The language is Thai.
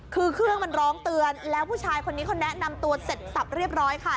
คือเครื่องมันร้องเตือนแล้วผู้ชายคนนี้เขาแนะนำตัวเสร็จสับเรียบร้อยค่ะ